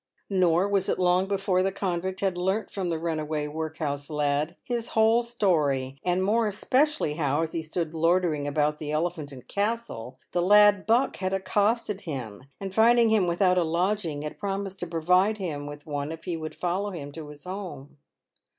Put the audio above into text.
Nor was it long before the convict had learnt from the runaway workhouse lad his whole story, and more especially how, as he stood loitering about the Elephant and Castle, the lad Buck had accosted him, and finding him without a lodging, had promised to provide him with one if he would follow him to his home.